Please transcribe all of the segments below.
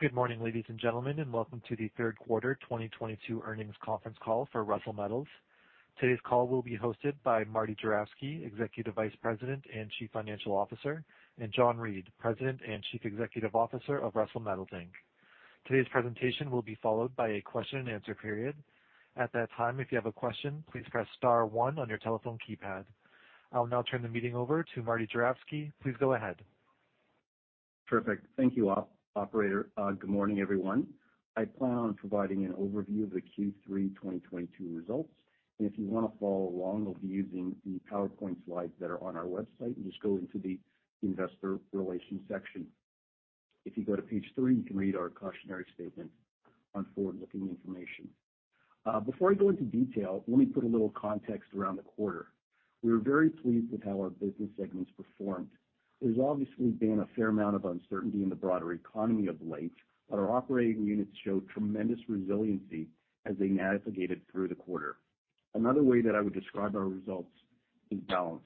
Good morning, ladies and gentlemen, and welcome to the third quarter 2022 earnings conference call for Russel Metals. Today's call will be hosted by Martin Juravsky, Executive Vice President and Chief Financial Officer, and John Reid, President and Chief Executive Officer of Russel Metals Inc. Today's presentation will be followed by a question and answer period. At that time, if you have a question, please press star one on your telephone keypad. I'll now turn the meeting over to Martin Juravsky. Please go ahead. Perfect. Thank you, Operator. Good morning, everyone. I plan on providing an overview of the Q3 2022 results. If you wanna follow along, we'll be using the PowerPoint slides that are on our website, and just go into the investor relations section. If you go to page 3, you can read our cautionary statement on forward-looking information. Before I go into detail, let me put a little context around the quarter. We were very pleased with how our business segments performed. There's obviously been a fair amount of uncertainty in the broader economy of late, but our operating units showed tremendous resiliency as they navigated through the quarter. Another way that I would describe our results is balanced.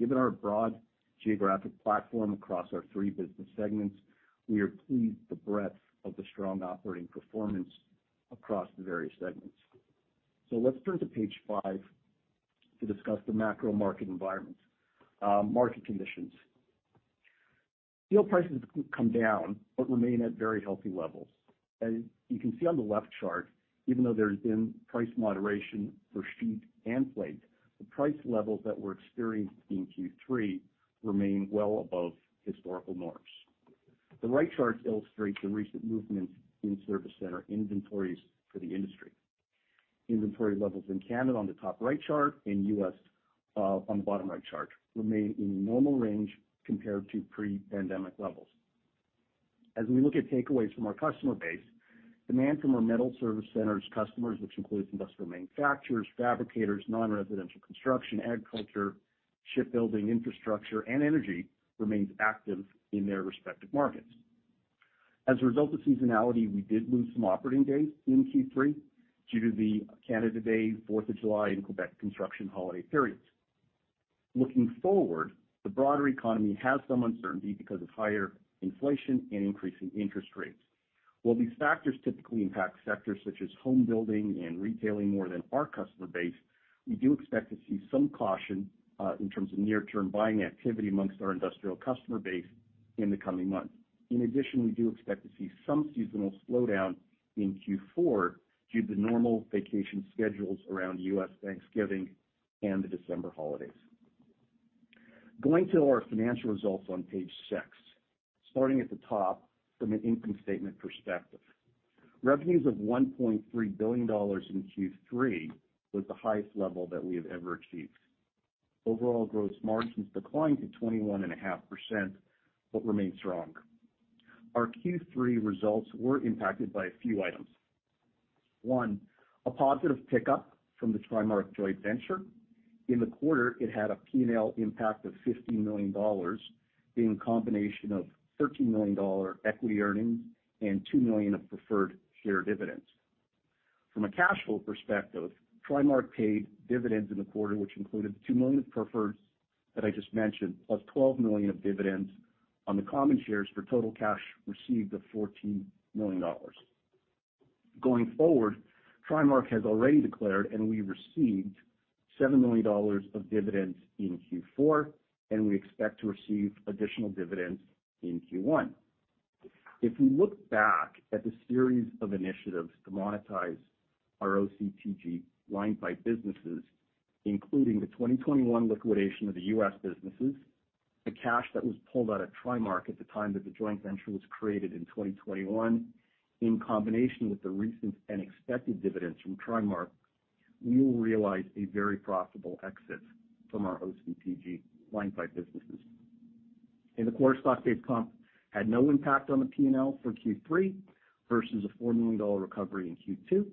Given our broad geographic platform across our three business segments, we are pleased with the breadth of the strong operating performance across the various segments. Let's turn to page five to discuss the macro market environment, market conditions. Steel prices have come down but remain at very healthy levels. As you can see on the left chart, even though there has been price moderation for sheet and plate, the price levels that we're experiencing in Q3 remain well above historical norms. The right chart illustrates the recent movements in service center inventories for the industry. Inventory levels in Canada on the top right chart, in U.S., on the bottom right chart, remain in normal range compared to pre-pandemic levels. As we look at takeaways from our customer base, demand from our metal service centers customers, which includes industrial manufacturers, fabricators, non-residential construction, agriculture, shipbuilding, infrastructure, and energy, remains active in their respective markets. As a result of seasonality, we did lose some operating days in Q3 due to the Canada Day, Fourth of July, and Quebec construction holiday periods. Looking forward, the broader economy has some uncertainty because of higher inflation and increasing interest rates. While these factors typically impact sectors such as home building and retailing more than our customer base, we do expect to see some caution in terms of near-term buying activity among our industrial customer base in the coming months. In addition, we do expect to see some seasonal slowdown in Q4 due to normal vacation schedules around US Thanksgiving and the December holidays. Going to our financial results on page 6. Starting at the top from an income statement perspective. Revenues of 1.3 billion dollars in Q3 was the highest level that we have ever achieved. Overall gross margins declined to 21.5%, but remain strong. Our Q3 results were impacted by a few items. One, a positive pickup from the TriMark joint venture. In the quarter, it had a P&L impact of 15 million dollars, being a combination of 13 million dollar equity earnings and 2 million of preferred share dividends. From a cash flow perspective, TriMark paid dividends in the quarter, which included 2 million of preferreds that I just mentioned, plus 12 million of dividends on the common shares for total cash received of 14 million dollars. Going forward, TriMark has already declared, and we received 7 million dollars of dividends in Q4, and we expect to receive additional dividends in Q1. If we look back at the series of initiatives to monetize our OCTG line pipe businesses, including the 2021 liquidation of the U.S. businesses, the cash that was pulled out of TriMark at the time that the joint venture was created in 2021, in combination with the recent and expected dividends from TriMark, we will realize a very profitable exit from our OCTG line pipe businesses. In the quarter, stock-based comp had no impact on the P&L for Q3 versus a 4 million dollar recovery in Q2.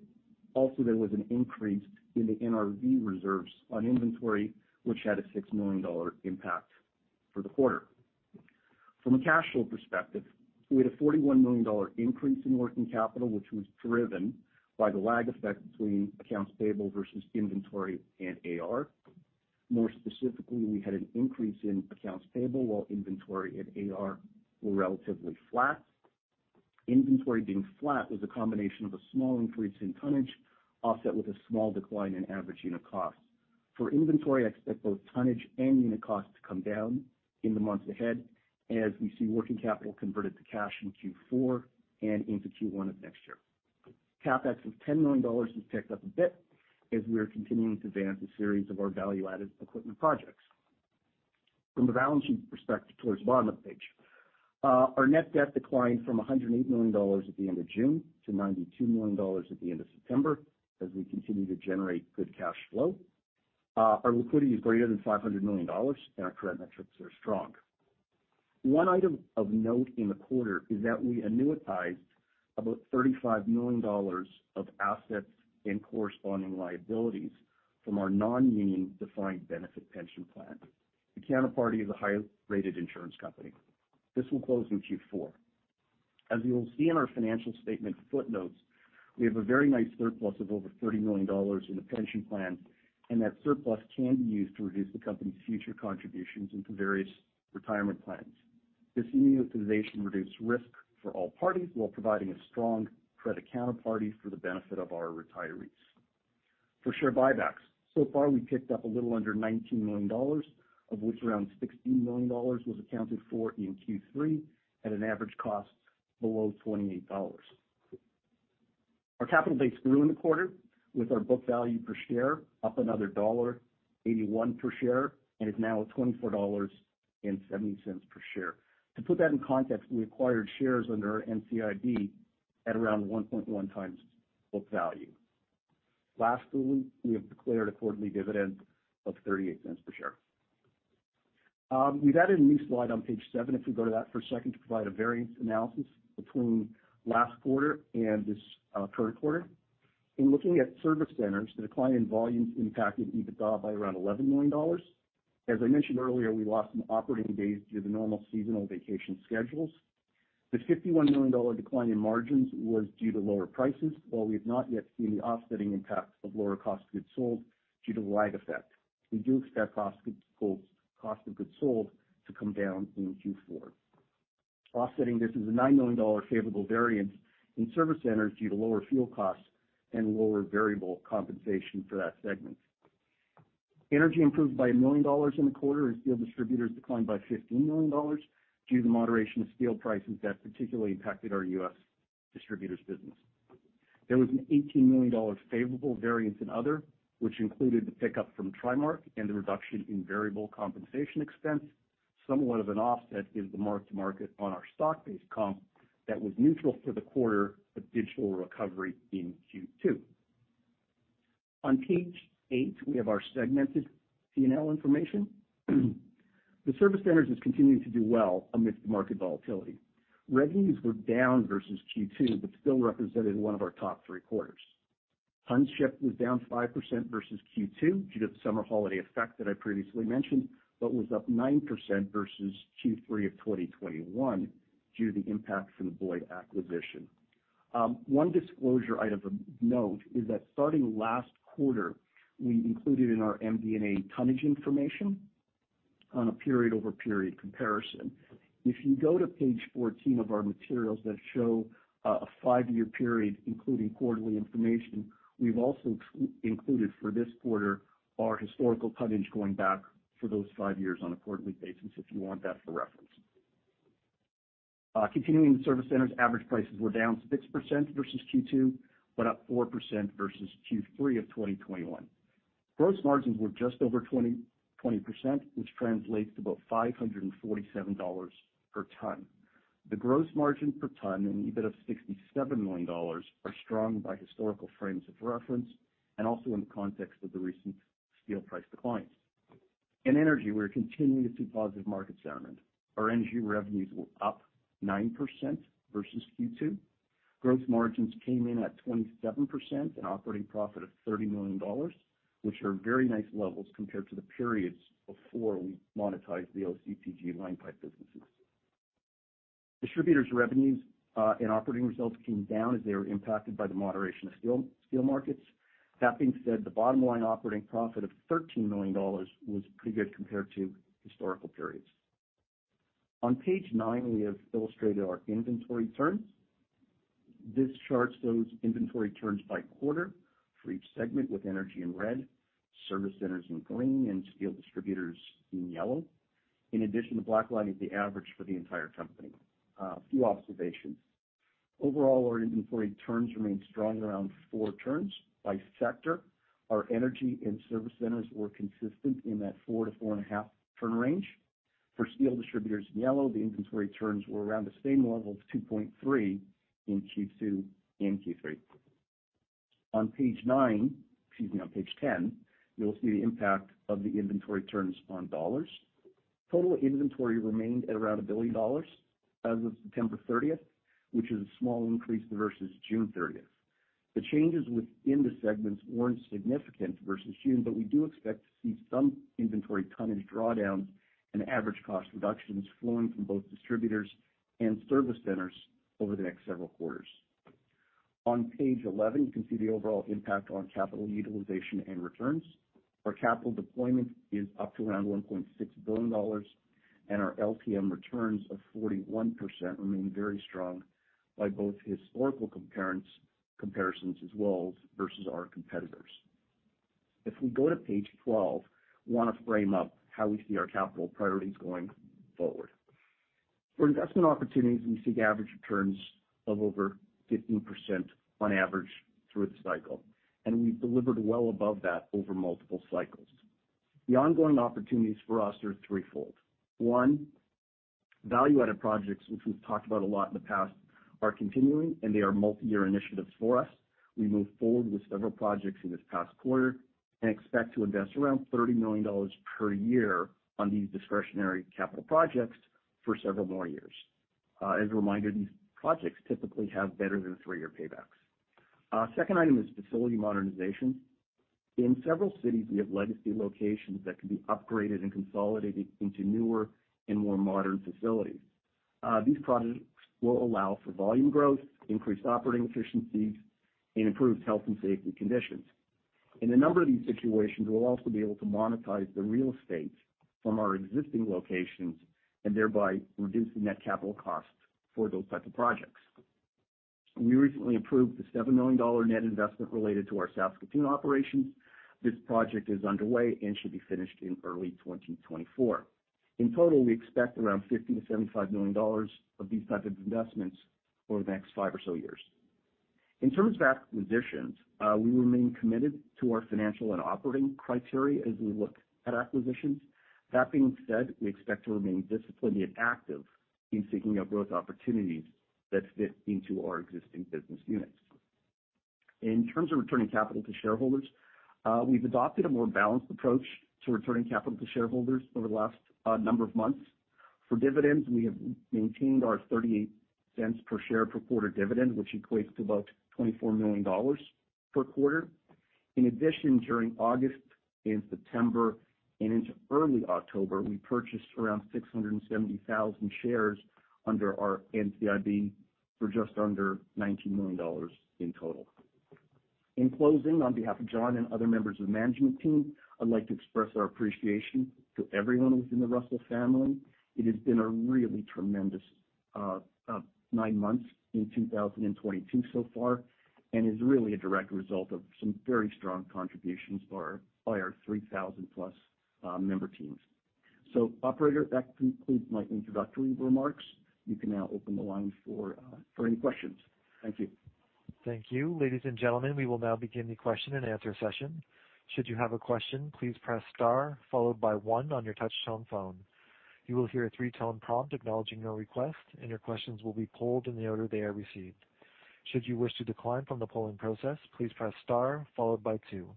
Also, there was an increase in the NRV reserves on inventory, which had a 6 million dollar impact for the quarter. From a cash flow perspective, we had a 41 million dollar increase in working capital, which was driven by the lag effect between accounts payable versus inventory and AR. More specifically, we had an increase in accounts payable while inventory and AR were relatively flat. Inventory being flat was a combination of a small increase in tonnage offset with a small decline in average unit costs. For inventory, I expect both tonnage and unit costs to come down in the months ahead as we see working capital converted to cash in Q4 and into Q1 of next year. CapEx of 10 million dollars has ticked up a bit as we are continuing to advance a series of our value-added equipment projects. From the balance sheet perspective towards the bottom of the page, our net debt declined from 108 million dollars at the end of June to 92 million dollars at the end of September as we continue to generate good cash flow. Our liquidity is greater than 500 million dollars, and our credit metrics are strong. One item of note in the quarter is that we annuitized about 35 million dollars of assets and corresponding liabilities from our non-union defined benefit pension plan. The counterparty is a highly rated insurance company. This will close in Q4. As you will see in our financial statement footnotes, we have a very nice surplus of over 30 million dollars in the pension plan, and that surplus can be used to reduce the company's future contributions into various retirement plans. This immunization reduced risk for all parties while providing a strong credit counterparty for the benefit of our retirees. For share buybacks, so far, we picked up a little under 19 million dollars, of which around 16 million dollars was accounted for in Q3 at an average cost below 28 dollars. Our capital base grew in the quarter with our book value per share up another dollar 1.81 per share and is now at 24.70 per share. To put that in context, we acquired shares under NCIB at around 1.1x book value. Lastly, we have declared a quarterly dividend of 0.38 per share. We've added a new slide on page 7, if we go to that for a second, to provide a variance analysis between last quarter and this current quarter. In looking at service centers, the decline in volumes impacted EBITDA by around 11 million dollars. As I mentioned earlier, we lost some operating days due to normal seasonal vacation schedules. The 51 million dollar decline in margins was due to lower prices, while we have not yet seen the offsetting impact of lower cost of goods sold due to the lag effect. We do expect cost of goods, cost of goods sold to come down in Q4. Offsetting this is a 9 million dollar favorable variance in service centers due to lower fuel costs and lower variable compensation for that segment. Energy improved by 1 million dollars in the quarter, and steel distributors declined by 15 million dollars due to the moderation of steel prices that particularly impacted our U.S. distributors business. There was a 18 million dollars favorable variance in other, which included the pickup from TriMark and the reduction in variable compensation expense. Somewhat of an offset is the mark-to-market on our stock-based comp that was neutral for the quarter, an additional recovery in Q2. On page eight, we have our segmented P&L information. The service centers is continuing to do well amidst the market volatility. Revenues were down versus Q2, but still represented one of our top three quarters. Tons shipped was down 5% versus Q2 due to the summer holiday effect that I previously mentioned, but was up 9% versus Q3 of 2021 due to the impact from the Boyd acquisition. One disclosure item of note is that starting last quarter, we included in our MD&A tonnage information on a period-over-period comparison. If you go to page 14 of our materials that show a five-year period, including quarterly information, we've also included for this quarter our historical tonnage going back for those five years on a quarterly basis, if you want that for reference. Continuing with service centers, average prices were down 6% versus Q2, but up 4% versus Q3 of 2021. Gross margins were just over 22%, which translates to about $547 per ton. The gross margin per ton and EBIT of $67 million are strong by historical frames of reference and also in the context of the recent steel price declines. In energy, we're continuing to see positive market sentiment. Our energy revenues were up 9% versus Q2. Gross margins came in at 27%, an operating profit of $30 million, which are very nice levels compared to the periods before we monetized the OCTG line pipe businesses. Distributors' revenues and operating results came down as they were impacted by the moderation of steel markets. That being said, the bottom line operating profit of 13 million dollars was pretty good compared to historical periods. On page 9, we have illustrated our inventory turns. This chart shows inventory turns by quarter for each segment with energy in red, service centers in green, and steel distributors in yellow. In addition, the black line is the average for the entire company. A few observations. Overall, our inventory turns remain strong around 4 turns. By sector, our energy and service centers were consistent in that 4-4.5-turn range. For steel distributors in yellow, the inventory turns were around the same level of 2.3 in Q2 and Q3. On page 9, excuse me, on page 10, you'll see the impact of the inventory turns on dollars. Total inventory remained at around 1 billion dollars as of September thirtieth, which is a small increase versus June thirtieth. The changes within the segments weren't significant versus June, but we do expect to see some inventory tonnage drawdowns and average cost reductions flowing from both distributors and service centers over the next several quarters. On page 11, you can see the overall impact on capital utilization and returns. Our capital deployment is up to around 1.6 billion dollars, and our LTM returns of 41% remain very strong by both historical comparisons as well as versus our competitors. If we go to page 12, want to frame up how we see our capital priorities going forward. For investment opportunities, we seek average returns of over 15% on average through the cycle, and we've delivered well above that over multiple cycles. The ongoing opportunities for us are threefold. One, value-added projects, which we've talked about a lot in the past, are continuing, and they are multiyear initiatives for us. We moved forward with several projects in this past quarter and expect to invest around 30 million dollars per year on these discretionary capital projects for several more years. As a reminder, these projects typically have better than three-year paybacks. Second item is facility modernization. In several cities, we have legacy locations that can be upgraded and consolidated into newer and more modern facilities. These projects will allow for volume growth, increased operating efficiencies, and improved health and safety conditions. In a number of these situations, we'll also be able to monetize the real estate from our existing locations and thereby reduce the net capital costs for those types of projects. We recently approved the 7 million dollar net investment related to our Saskatoon operations. This project is underway and should be finished in early 2024. In total, we expect around 50-75 million dollars of these types of investments over the next five or so years. In terms of acquisitions, we remain committed to our financial and operating criteria as we look at acquisitions. That being said, we expect to remain disciplined yet active in seeking out growth opportunities that fit into our existing business units. In terms of returning capital to shareholders, we've adopted a more balanced approach to returning capital to shareholders over the last number of months. For dividends, we have maintained our 0.38 per share per quarter dividend, which equates to about CAD 24 million per quarter. In addition, during August and September and into early October, we purchased around 670,000 shares under our NCIB for just under 19 million dollars in total. In closing, on behalf of John and other members of the management team, I'd like to express our appreciation to everyone within the Russel family. It has been a really tremendous nine months in 2022 so far, and is really a direct result of some very strong contributions by our 3,000+ member teams. Operator, that concludes my introductory remarks. You can now open the line for any questions. Thank you. Thank you. Ladies and gentlemen, we will now begin the question-and-answer session. Should you have a question, please press star followed by one on your touchtone phone. You will hear a three-tone prompt acknowledging your request, and your questions will be polled in the order they are received. Should you wish to decline from the polling process, please press star followed by two.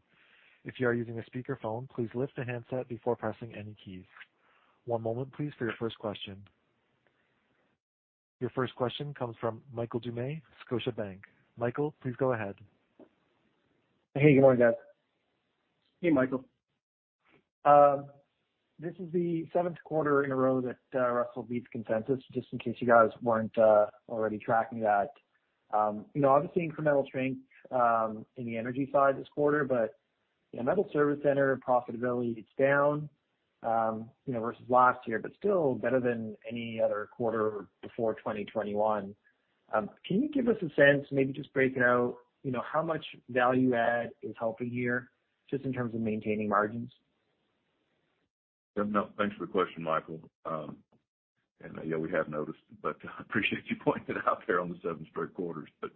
If you are using a speakerphone, please lift the handset before pressing any keys. One moment please for your first question. Your first question comes from Michael Doumet, Scotiabank. Michael, please go ahead. Hey, good morning, guys. Hey, Michael. This is the seventh quarter in a row that Russel beats consensus, just in case you guys weren't already tracking that. You know, obviously incremental strength in the energy side this quarter, but you know, metal service center profitability is down, you know, versus last year, but still better than any other quarter before 2021. Can you give us a sense, maybe just breaking out, you know, how much value add is helping here just in terms of maintaining margins? Yeah, no, thanks for the question, Michael. Yeah, we have noticed, but appreciate you pointing it out there on the seven straight quarters. It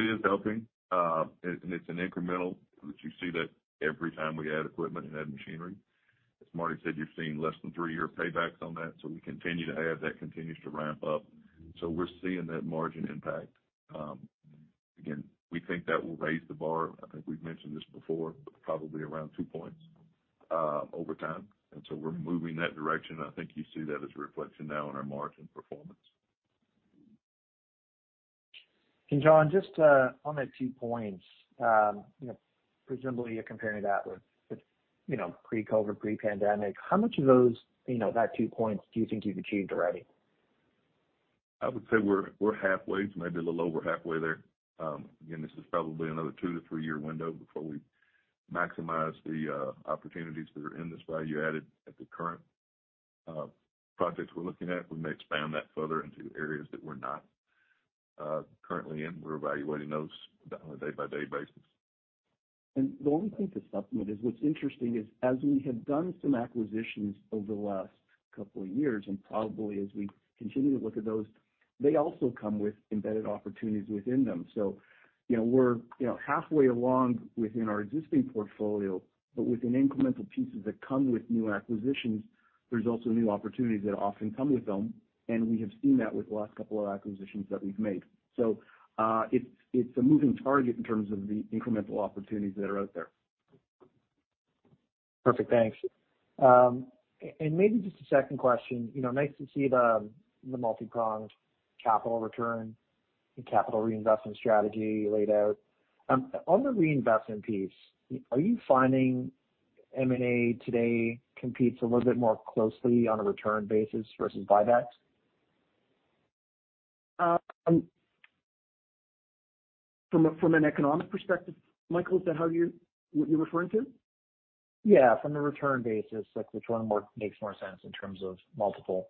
is helping, and it's an incremental that you see that every time we add equipment and add machinery. As Marty said, you've seen less than three-year paybacks on that. We continue to add, that continues to ramp up. We're seeing that margin impact. Again, we think that will raise the bar. I think we've mentioned this before, but probably around two points, over time. We're moving in that direction. I think you see that as a reflection now in our margin performance. John, just on that two points, you know, presumably you're comparing that with you know, pre-COVID, pre-pandemic. How much of those, you know, that 2 points do you think you've achieved already? I would say we're halfway to maybe a little over halfway there. Again, this is probably another two- to three-year window before we maximize the opportunities that are in this value added at the current projects we're looking at. We may expand that further into areas that we're not currently in. We're evaluating those on a day-by-day basis. The only thing to supplement is what's interesting is as we have done some acquisitions over the last couple of years, and probably as we continue to look at those, they also come with embedded opportunities within them. So, you know, we're, you know, halfway along within our existing portfolio. But with the incremental pieces that come with new acquisitions, there's also new opportunities that often come with them, and we have seen that with the last couple of acquisitions that we've made. So, it's a moving target in terms of the incremental opportunities that are out there. Perfect. Thanks. Maybe just a second question. You know, nice to see the multi-pronged capital return and capital reinvestment strategy laid out. On the reinvestment piece, are you finding M&A today competes a little bit more closely on a return basis versus buybacks? From an economic perspective, Michael, is that what you're referring to? Yeah, from the return basis, like which one makes more sense in terms of multiple.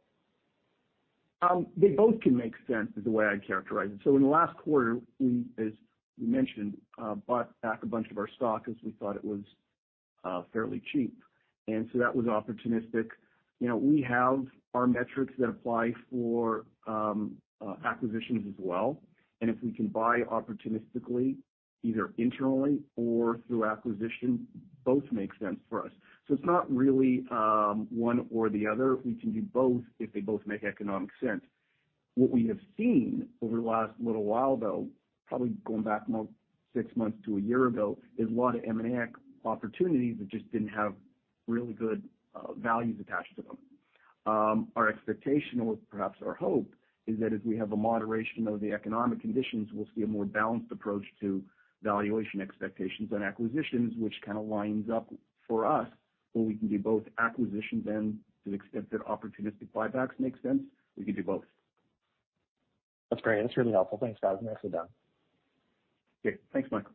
They both can make sense is the way I'd characterize it. In the last quarter, we, as we mentioned, bought back a bunch of our stock as we thought it was fairly cheap. That was opportunistic. You know, we have our metrics that apply for acquisitions as well. If we can buy opportunistically, either internally or through acquisition, both make sense for us. It's not really one or the other. We can do both if they both make economic sense. What we have seen over the last little while, though, probably going back more six months to a year ago, is a lot of M&A opportunities that just didn't have really good values attached to them. Our expectation or perhaps our hope is that if we have a moderation of the economic conditions, we'll see a more balanced approach to valuation expectations on acquisitions, which kind of lines up for us where we can do both acquisitions and to the extent that opportunistic buybacks make sense, we can do both. That's great. That's really helpful. Thanks, guys. Nicely done. Great. Thanks, Michael.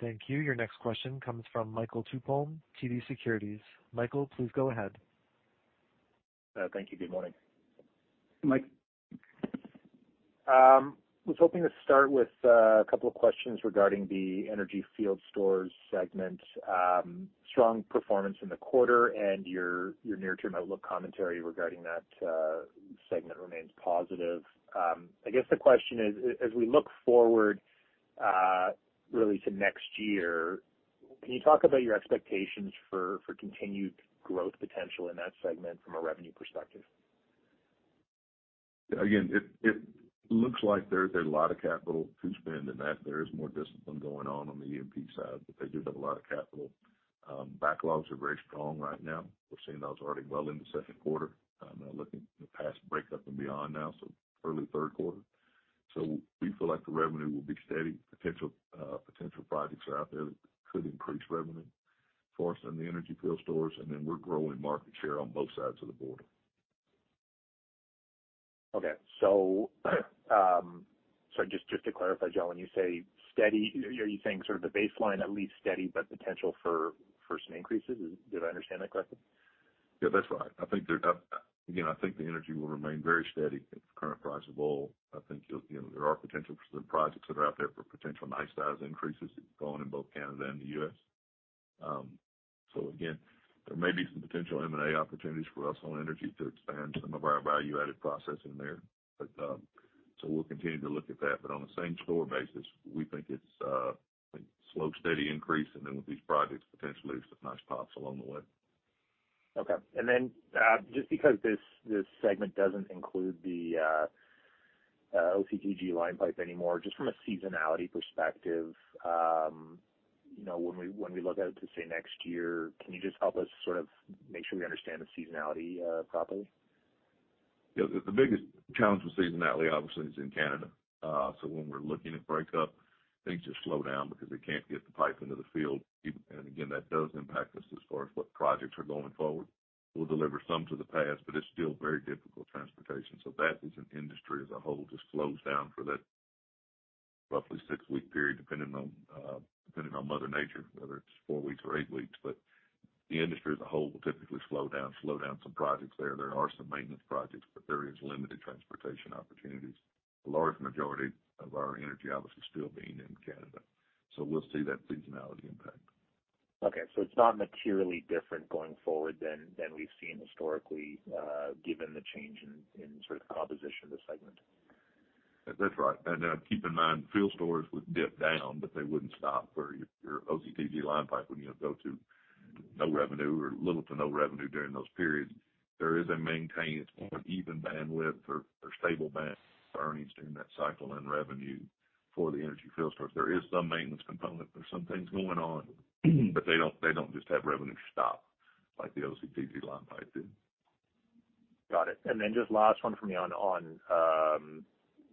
Thank you. Your next question comes from Michael Tupholme, TD Securities. Michael, please go ahead. Thank you. Good morning. Mike. Was hoping to start with a couple of questions regarding the energy field stores segment, strong performance in the quarter and your near-term outlook commentary regarding that segment remains positive. I guess the question is, as we look forward really to next year, can you talk about your expectations for continued growth potential in that segment from a revenue perspective? It looks like there's a lot of capital to spend and that there is more discipline going on on the E&P side, but they do have a lot of capital. Backlogs are very strong right now. We're seeing those already well into second quarter. I'm now looking past break up and beyond now, so early third quarter. We feel like the revenue will be steady. Potential projects are out there that could increase revenue for us in the energy field stores, and then we're growing market share on both sides of the border. Okay. Sorry, just to clarify, John, when you say steady, are you saying sort of the baseline at least steady, but potential for some increases? Did I understand that correctly? Yeah, that's right. I think there again, I think the energy will remain very steady at the current price of oil. I think you know, there are potential for some projects that are out there for potential nice size increases going in both Canada and the U.S. So again, there may be some potential M&A opportunities for us on energy to expand some of our value-added processing there. We'll continue to look at that. But on the same store basis, we think it's slow, steady increase. Then with these projects, potentially some nice pops along the way. Okay. Just because this segment doesn't include the OCTG line pipe anymore, just from a seasonality perspective, you know, when we look out to, say, next year, can you just help us sort of make sure we understand the seasonality properly? Yeah. The biggest challenge with seasonality obviously is in Canada. When we're looking at breakup, things just slow down because they can't get the pipe into the field. Again, that does impact us as far as what projects are going forward. We'll deliver some to the pads, but it's still very difficult transportation. That as an industry as a whole just slows down for that roughly six-week period, depending on mother nature, whether it's four weeks or eight weeks. The industry as a whole will typically slow down some projects there. There are some maintenance projects, but there is limited transportation opportunities. The large majority of our energy obviously still being in Canada. We'll see that seasonality impact. It's not materially different going forward than we've seen historically, given the change in sort of composition of the segment. That's right. Keep in mind, field stores would dip down, but they wouldn't stop where your OCTG line pipe would, you know, go to no revenue or little to no revenue during those periods. There is a maintained or an even bandwidth or stable band earnings during that cycle and revenue for the energy field stores. There is some maintenance component. There's some things going on, but they don't just have revenue stop like the OCTG line pipe did. Got it. Just last one from me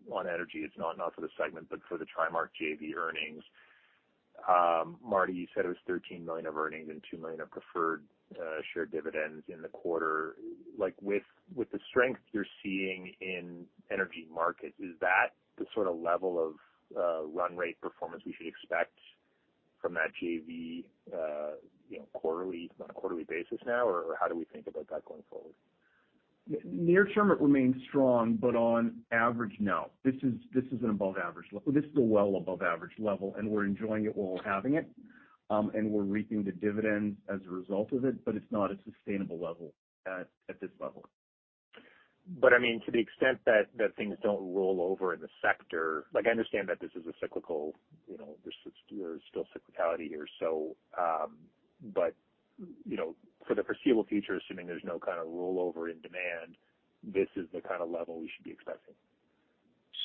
on energy. It's not for the segment, but for the TriMark JV earnings. Marty, you said it was 13 million of earnings and 2 million of preferred share dividends in the quarter. Like, with the strength you're seeing in energy markets, is that the sort of level of run rate performance we should expect from that JV, you know, quarterly, on a quarterly basis now? Or how do we think about that going forward? Near term, it remains strong, but on average, no. This is an above average level. This is a well above average level, and we're enjoying it while having it. We're reaping the dividends as a result of it, but it's not a sustainable level at this level. I mean, to the extent that things don't roll over in the sector. Like, I understand that this is a cyclical, you know, there's still cyclicality here, so, but, you know, for the foreseeable future, assuming there's no kind of rollover in demand, this is the kind of level we should be expecting.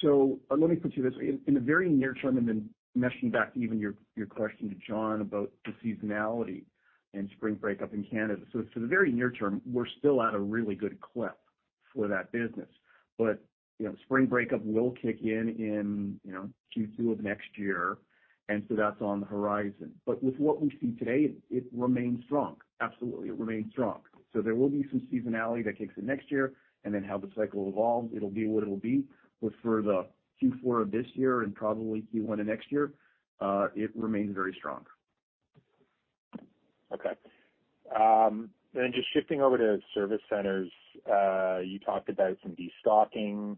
Let me put it to you this way. In the very near term, and then circling back to your question to John about the seasonality and spring breakup in Canada. The very near term, we're still at a really good clip for that business. You know, spring breakup will kick in in Q2 of next year. That's on the horizon. With what we see today, it remains strong. Absolutely, it remains strong. There will be some seasonality that kicks in next year and then how the cycle evolves, it'll be what it'll be. For the Q4 of this year and probably Q1 of next year, it remains very strong. Okay. Just shifting over to service centers. You talked about some destocking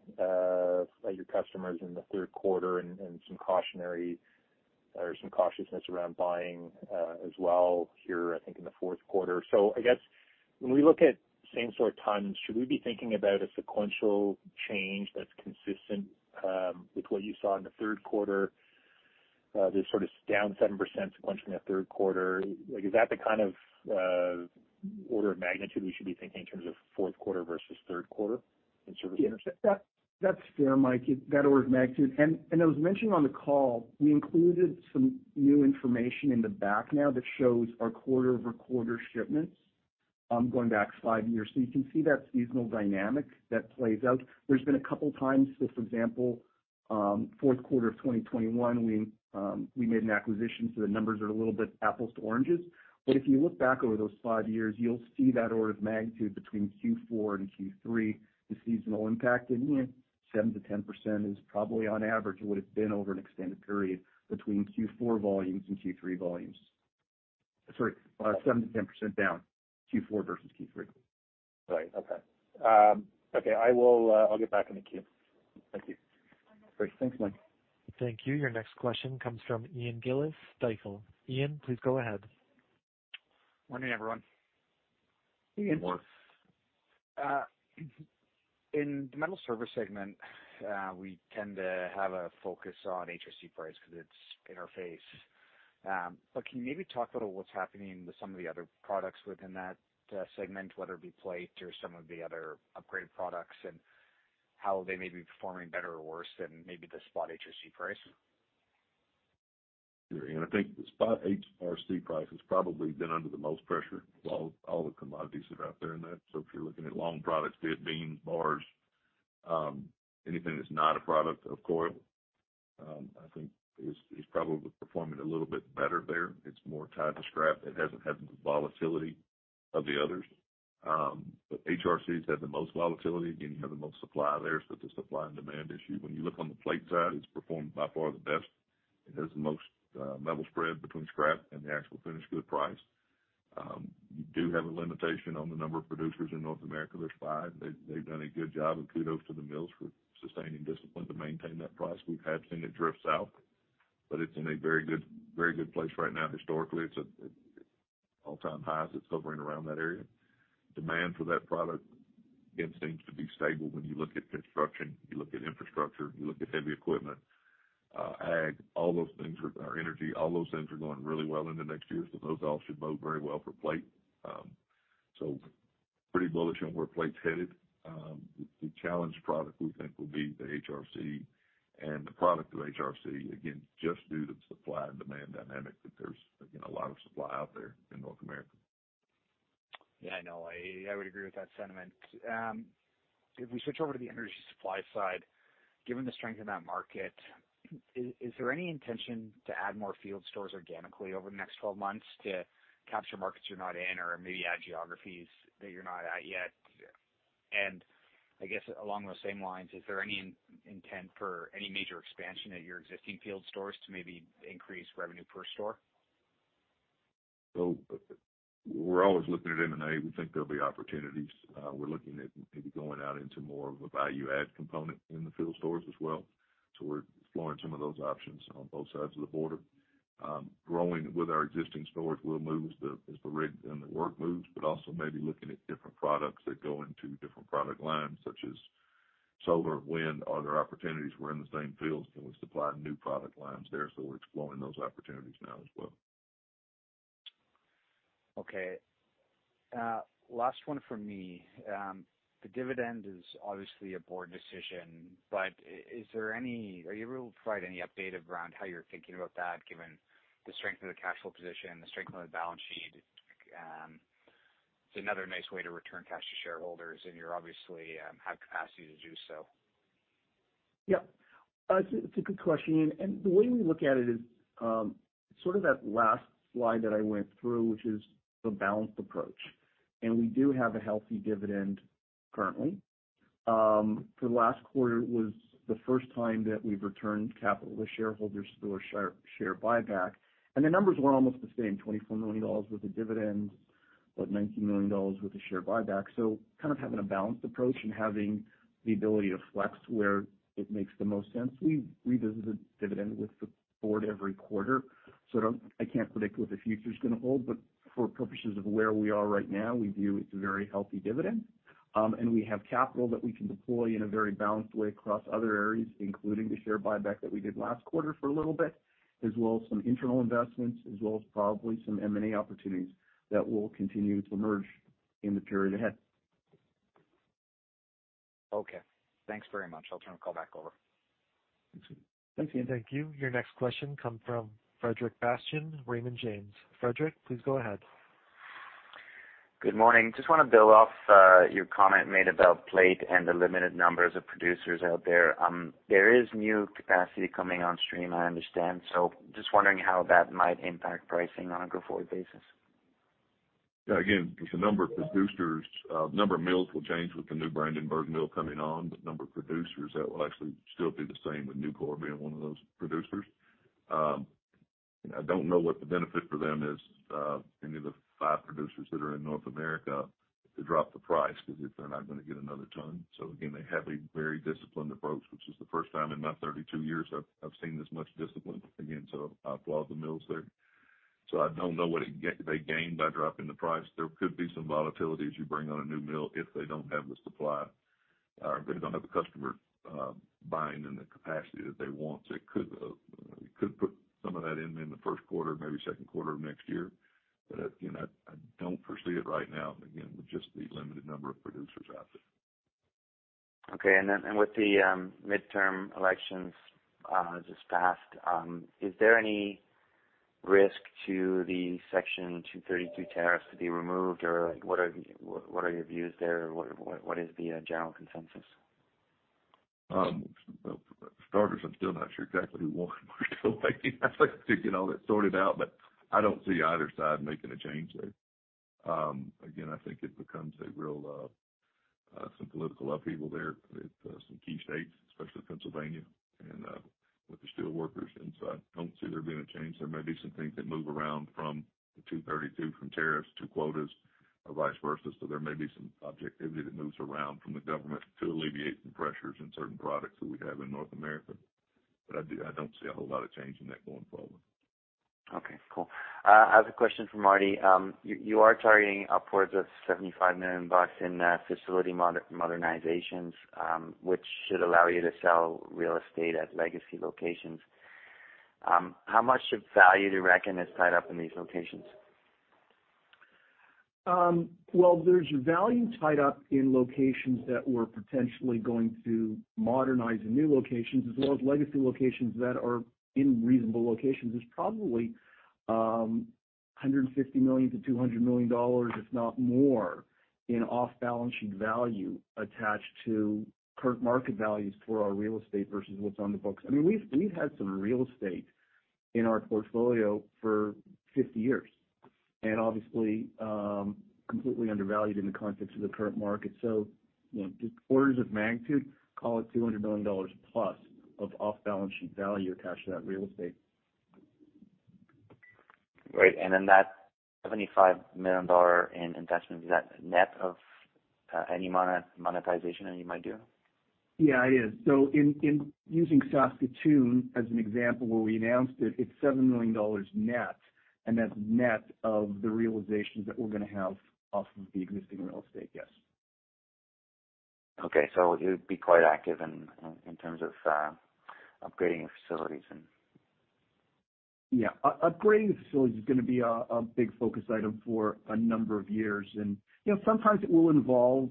by your customers in the third quarter and some cautionary or some cautiousness around buying as well here, I think in the fourth quarter. I guess when we look at same sort of tons, should we be thinking about a sequential change that's consistent with what you saw in the third quarter? This sort of down 7% sequential in the third quarter. Like, is that the kind of order of magnitude we should be thinking in terms of fourth quarter versus third quarter? Yeah. That's fair, Mike. That order of magnitude. As mentioned on the call, we included some new information in the back now that shows our quarter-over-quarter shipments going back five years. You can see that seasonal dynamic that plays out. There's been a couple times, for example, fourth quarter of 2021, we made an acquisition, so the numbers are a little bit apples to oranges. If you look back over those five years, you'll see that order of magnitude between Q4 and Q3, the seasonal impact. You know, 7%-10% is probably on average what it's been over an extended period between Q4 volumes and Q3 volumes. Sorry, 7%-10% down, Q4 versus Q3. Right. Okay. I'll get back in the queue. Thank you. Great. Thanks, Mike. Thank you. Your next question comes from Ian Gillies, Stifel. Ian, please go ahead. Morning, everyone. Ian. Good morning. In the metal service segment, we tend to have a focus on HRC price because it's in our face. Can you maybe talk about what's happening with some of the other products within that segment, whether it be plate or some of the other upgraded products, and how they may be performing better or worse than maybe the spot HRC price? Sure. I think the spot HRC price has probably been under the most pressure. All the commodities are out there in that. If you're looking at long products, be it beams, bars, anything that's not a product of coil, I think is probably performing a little bit better there. It's more tied to scrap. It hasn't had the volatility of the others. HRC has had the most volatility. Again, you have the most supply there. It's a supply and demand issue. When you look on the plate side, it's performed by far the best. It has the most level spread between scrap and the actual finished good price. You do have a limitation on the number of producers in North America. There's five. They've done a good job, and kudos to the mills for sustaining discipline to maintain that price. We have seen it drift south, but it's in a very good place right now. Historically, it's at all-time highs. It's hovering around that area. Demand for that product, again, seems to be stable when you look at construction, you look at infrastructure, you look at heavy equipment, ag, all those things, energy, are going really well into next year. Those all should bode very well for plate. Pretty bullish on where plate's headed. The challenged product we think will be the HRC and the product of HRC, again, just due to supply and demand dynamics, that there's, again, a lot of supply out there in North America. Yeah, I know. I would agree with that sentiment. If we switch over to the energy supply side, given the strength in that market, is there any intention to add more field stores organically over the next 12 months to capture markets you're not in or maybe add geographies that you're not at yet? I guess along those same lines, is there any intent for any major expansion at your existing field stores to maybe increase revenue per store? We're always looking at M&A. We think there'll be opportunities. We're looking at maybe going out into more of a value add component in the field stores as well. We're exploring some of those options on both sides of the border. Growing with our existing stores, we'll move as the rig and the work moves, but also maybe looking at different products that go into different product lines, such as solar, wind, other opportunities. We're in the same fields, and we supply new product lines there, so we're exploring those opportunities now as well. Okay. Last one from me. The dividend is obviously a board decision, but are you able to provide any update around how you're thinking about that, given the strength of the cash flow position, the strength of the balance sheet? It's another nice way to return cash to shareholders, and you're obviously have capacity to do so. Yeah. It's a good question. The way we look at it is sort of that last slide that I went through, which is the balanced approach. We do have a healthy dividend currently. For the last quarter was the first time that we've returned capital to shareholders through a share buyback. The numbers were almost the same, 24 million dollars with the dividends, but 19 million dollars with the share buyback. Kind of having a balanced approach and having the ability to flex where it makes the most sense. We visit the dividend with the board every quarter, so I can't predict what the future is gonna hold. For purposes of where we are right now, we view it's a very healthy dividend. We have capital that we can deploy in a very balanced way across other areas, including the share buyback that we did last quarter for a little bit, as well as some internal investments, as well as probably some M&A opportunities that will continue to emerge in the period ahead. Okay. Thanks very much. I'll turn the call back over. Thanks. Thank you. Your next question comes from Frederic Bastien, Raymond James. Frederic, please go ahead. Good morning. Just wanna build off your comment made about plate and the limited numbers of producers out there. There is new capacity coming on stream, I understand, so just wondering how that might impact pricing on a go-forward basis. Yeah, again, with the number of producers, number of mills will change with the new Brandenburg mill coming on, but number of producers, that will actually still be the same with Nucor being one of those producers. And I don't know what the benefit for them is, any of the five producers that are in North America to drop the price because they're not gonna get another ton. So again, they have a very disciplined approach, which is the first time in my 32 years I've seen this much discipline again, so I applaud the mills there. So I don't know what they gain by dropping the price. There could be some volatility as you bring on a new mill if they don't have the supply or if they don't have a customer buying in the capacity that they want. It could. We could put some of that in the first quarter, maybe second quarter of next year. You know, I don't foresee it right now, again, with just the limited number of producers out there. Okay. With the midterm elections just passed, is there any risk to the Section 232 tariffs to be removed? Or like what are your views there? What is the general consensus? Well, for starters, I'm still not sure exactly who won or still waiting to get all that sorted out, but I don't see either side making a change there. Again, I think it becomes a real political upheaval there with some key states, especially Pennsylvania and with the steelworkers. I don't see there being a change. There may be some things that move around from the Section 232 from tariffs to quotas or vice versa. There may be some quota that moves around from the government to alleviate some pressures in certain products that we have in North America. I don't see a whole lot of change in that going forward. Okay. Cool. I have a question for Marty. You are targeting upwards of 75 million bucks in facility modernizations, which should allow you to sell real estate at legacy locations. How much value do you reckon is tied up in these locations? There's value tied up in locations that we're potentially going to modernize in new locations as well as legacy locations that are in reasonable locations. There's probably 150 million-200 million dollars, if not more, in off-balance sheet value attached to current market values for our real estate versus what's on the books. I mean, we've had some real estate in our portfolio for 50 years and obviously completely undervalued in the context of the current market. You know, just orders of magnitude, call it 200 million dollars+ of off-balance sheet value attached to that real estate. Great. That 75 million dollar in investment, is that net of any monetization that you might do? Yeah, it is. In using Saskatoon as an example where we announced it's 7 million dollars net, and that's net of the realizations that we're gonna have off of the existing real estate, yes. You'd be quite active in terms of upgrading your facilities and Yeah. Upgrading the facilities is gonna be a big focus item for a number of years. You know, sometimes it will involve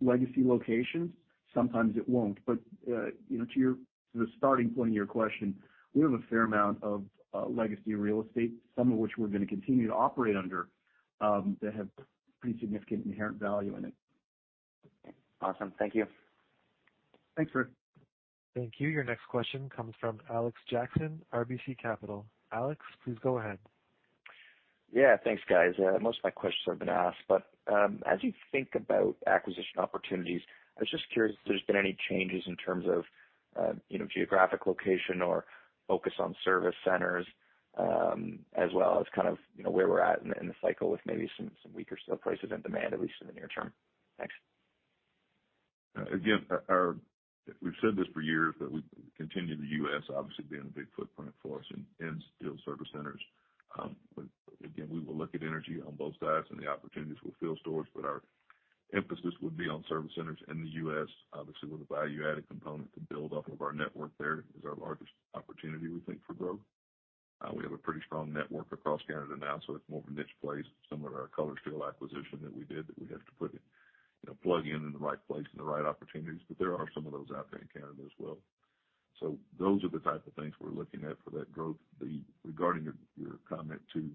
legacy locations, sometimes it won't. You know, to your, the starting point of your question, we have a fair amount of legacy real estate, some of which we're gonna continue to operate under that have pretty significant inherent value in it. Awesome. Thank you. Thanks, Ruth. Thank you. Your next question comes from James McGarragle, RBC Capital Markets. James, please go ahead. Yeah. Thanks, guys. Most of my questions have been asked, but as you think about acquisition opportunities, I was just curious if there's been any changes in terms of you know, geographic location or focus on service centers, as well as kind of you know, where we're at in the cycle with maybe some weaker steel prices and demand, at least in the near term. Thanks. Again, we've said this for years, but we continue the U.S. obviously being a big footprint for us in steel service centers. Again, we will look at energy on both sides and the opportunities with fuel stores, but our emphasis would be on service centers in the U.S., obviously, with a value-added component to build off of our network there is our largest opportunity we think for growth. We have a pretty strong network across Canada now, so it's more of a niche place, similar to our Color Steels acquisition that we did, we have to put it, you know, plug in in the right place and the right opportunities. There are some of those out there in Canada as well. Those are the type of things we're looking at for that growth. Regarding your comment to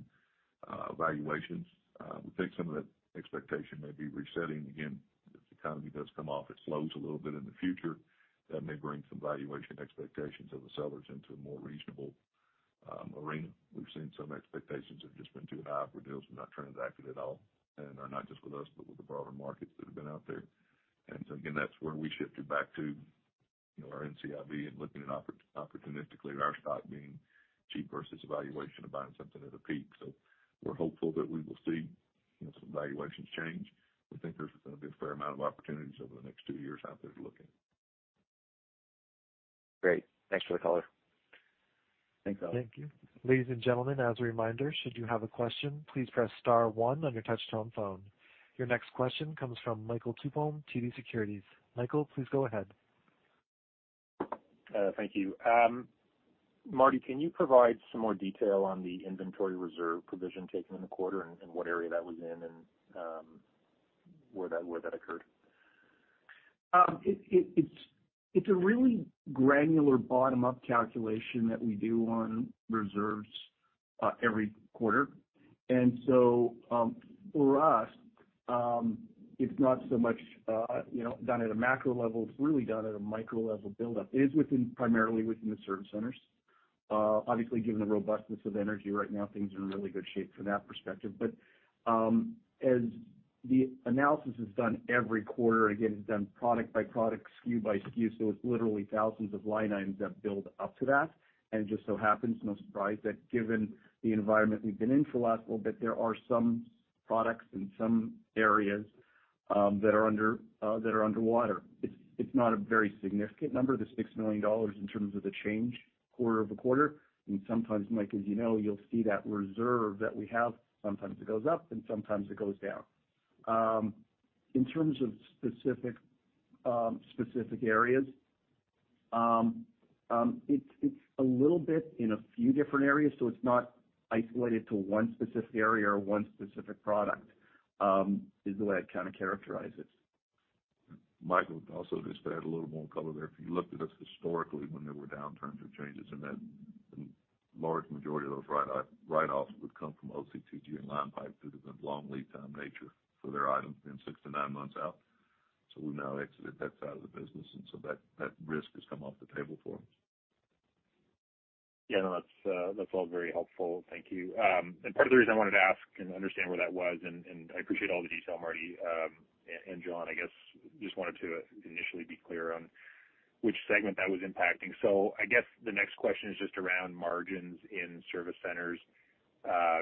valuations, we think some of that expectation may be resetting. Again, if the economy does come off, it slows a little bit in the future, that may bring some valuation expectations of the sellers into a more reasonable arena. We've seen some expectations have just been too high for deals we've not transacted at all, and are not just with us, but with the broader markets that have been out there. Again, that's where we shifted back to, you know, our NCIB and looking at opportunistically at our stock being cheap versus valuation of buying something at a peak. We're hopeful that we will see, you know, some valuations change. We think there's gonna be a fair amount of opportunities over the next two years out there to look at. Great. Thanks for the color. Thanks, Alex. Thank you. Ladies and gentlemen, as a reminder, should you have a question, please press star one on your touchtone phone. Your next question comes from Michael Tupholme, TD Securities. Michael, please go ahead. Thank you. Marty, can you provide some more detail on the inventory reserve provision taken in the quarter and what area that was in and where that occurred? It's a really granular bottom-up calculation that we do on reserves every quarter. For us, it's not so much, you know, done at a macro level, it's really done at a micro level buildup. It is within, primarily within the service centers. Obviously, given the robustness of energy right now, things are in really good shape from that perspective. As the analysis is done every quarter, again, it's done product by product, SKU by SKU, so it's literally thousands of line items that build up to that. It just so happens, no surprise, that given the environment we've been in for the last little bit, there are some products in some areas that are underwater. It's not a very significant number, the 6 million dollars in terms of the change quarter-over-quarter. Sometimes, Mike, as you know, you'll see that reserve that we have, sometimes it goes up and sometimes it goes down. In terms of specific areas, it's a little bit in a few different areas, so it's not isolated to one specific area or one specific product, is the way I'd kind of characterize it. Michael, also just to add a little more color there. If you looked at us historically when there were downturns or changes in that, large majority of those write-offs would come from OCTG and line pipe due to the long lead time nature for their items being 6-9 months out. We've now exited that side of the business, and that risk has come off the table for us. Yeah, no, that's all very helpful. Thank you. Part of the reason I wanted to ask and understand where that was, and I appreciate all the detail, Marty, and John, I guess just wanted to initially be clear on which segment that was impacting. I guess the next question is just around margins in service centers.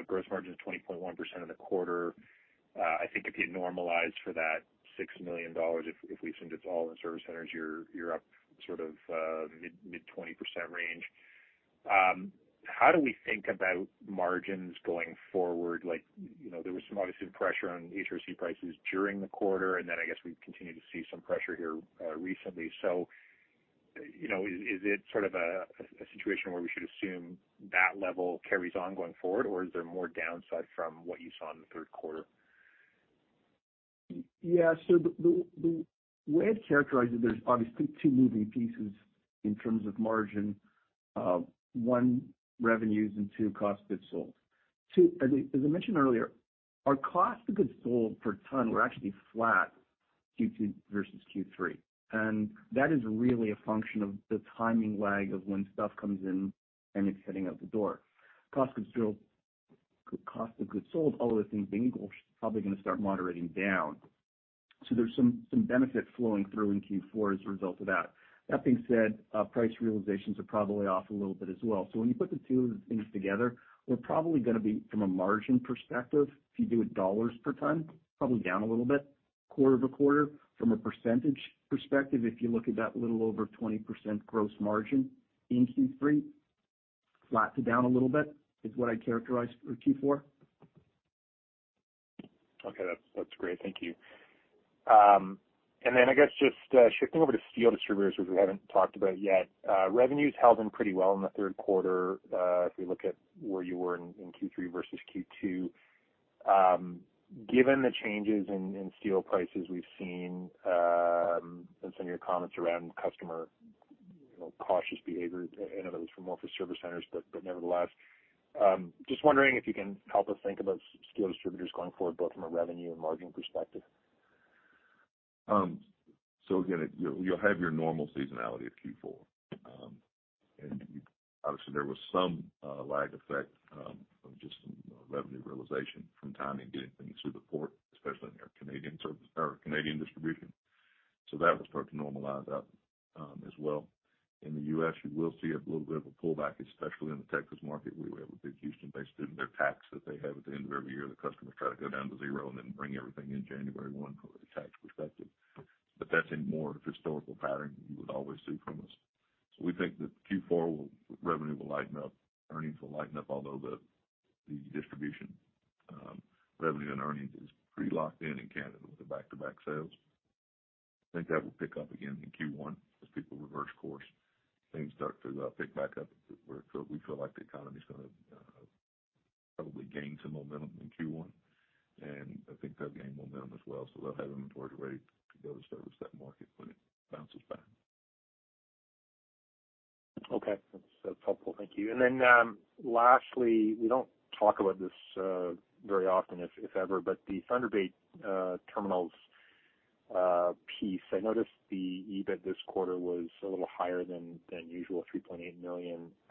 Gross margin is 20.1% for the quarter. I think if you normalize for that 6 million dollars, if we assume it's all in service centers, you're up sort of mid-20% range. How do we think about margins going forward? Like, you know, there was some obvious pressure on HRC prices during the quarter, and then I guess we continue to see some pressure here, recently. You know, is it sort of a situation where we should assume that level carries on going forward, or is there more downside from what you saw in the third quarter? Yeah. The way I'd characterize it, there's obviously two moving pieces in terms of margin. One, revenues, and two, cost of goods sold. As I mentioned earlier, our cost of goods sold per ton were actually flat Q2 versus Q3, and that is really a function of the timing lag of when stuff comes in and it's heading out the door. Cost of goods sold, all other things being equal, probably gonna start moderating down. There's some benefit flowing through in Q4 as a result of that. That being said, price realizations are probably off a little bit as well. When you put the two things together, we're probably gonna be, from a margin perspective, if you do it dollars per ton, probably down a little bit quarter-over-quarter. From a percentage perspective, if you look at that little over 20% gross margin in Q3, flat to down a little bit is what I'd characterize for Q4. Okay. That's great. Thank you. And then I guess just shifting over to steel distributors, which we haven't talked about yet, revenues held in pretty well in the third quarter, if we look at where you were in Q3 versus Q2. Given the changes in steel prices we've seen, and some of your comments around customer you know cautious behavior, I know that was more for service centers, but nevertheless, just wondering if you can help us think about steel distributors going forward, both from a revenue and margin perspective. Again, you'll have your normal seasonality of Q4. Obviously, there was some lag effect from just some revenue realization from timing getting things through the port, especially in our Canadian service or Canadian distribution. That will start to normalize out as well. In the U.S., you will see a little bit of a pullback, especially in the Texas market, where we have a big Houston-based business. Their tax that they have at the end of every year, the customers try to go down to zero and then bring everything in January one from a tax perspective. That's in more of a historical pattern you would always see from us. We think that Q4 will. Revenue will lighten up, earnings will lighten up, although the distribution revenue and earnings is pretty locked in Canada with the back-to-back sales. I think that will pick up again in Q1 as people reverse course, things start to pick back up where we feel like the economy's gonna probably gain some momentum in Q1, and I think they'll gain momentum as well. So they'll have inventory ready to go to service that market when it bounces back. Okay. That's helpful. Thank you. Lastly, we don't talk about this very often, if ever, but the Thunder Bay Terminals piece, I noticed the EBIT this quarter was a little higher than usual,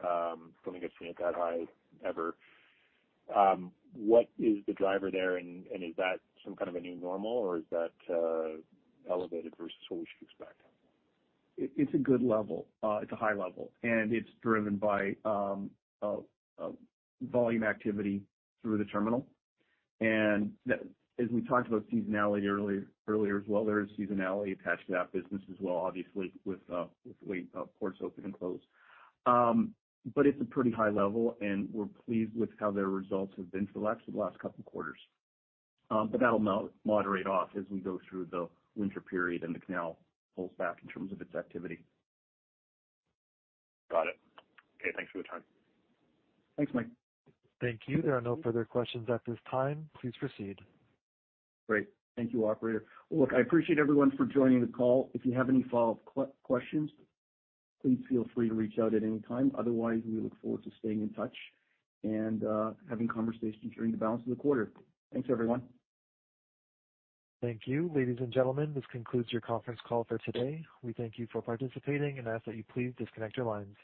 3.8 million. Don't think I've seen it that high ever. What is the driver there, and is that some kind of a new normal or is that elevated versus what we should expect? It's a good level. It's a high level, and it's driven by volume activity through the terminal. As we talked about seasonality earlier as well, there is seasonality attached to that business as well, obviously, with ports open and closed. But it's a pretty high level, and we're pleased with how their results have been for the last couple quarters. But that'll moderate off as we go through the winter period and the canal pulls back in terms of its activity. Got it. Okay, thanks for the time. Thanks, Mike. Thank you. There are no further questions at this time. Please proceed. Great. Thank you, Operator. Look, I appreciate everyone for joining the call. If you have any follow-up questions, please feel free to reach out at any time. Otherwise, we look forward to staying in touch and having conversations during the balance of the quarter. Thanks, everyone. Thank you. Ladies and gentlemen, this concludes your conference call for today. We thank you for participating and ask that you please disconnect your lines.